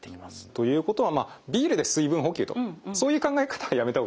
ということはビールで水分補給とそういう考え方はやめた方がいいと。